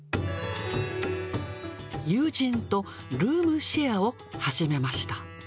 友人とルームシェアを始めました。